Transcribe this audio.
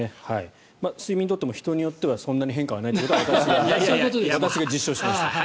睡眠を取っても人によってはそんなに変化がないというのは私が実証しました。